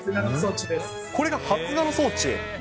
これが発芽の装置です。